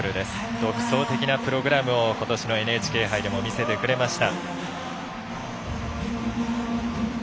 独創的なプログラムをことしのＮＨＫ杯でも見せてくれました。